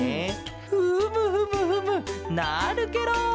フムフムフムなるケロ！